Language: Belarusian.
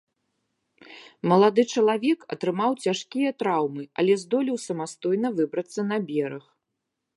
Малады чалавек атрымаў цяжкія траўмы, але здолеў самастойна выбрацца на бераг.